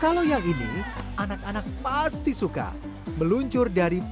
kalau yang ini anak anak pasti suka meluncurkan dia dengan saluran